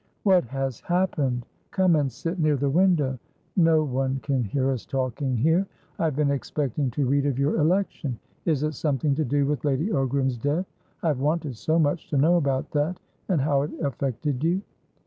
"What has happened? Come and sit near the window; no one could hear us talking here. I have been expecting to read of your election. Is it something to do with Lady Ogram's death? I have wanted so much to know about that, and how it affected you."